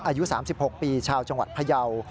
อายุ๓๖ปีชาวจังหวัดพยาว